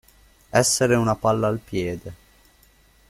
Essere una palla al piede.